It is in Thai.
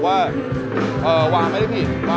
ถ้าเฆินให้ยิ่งหลายการ